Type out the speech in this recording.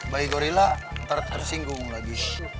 bayi gorila ntar tersinggung lagi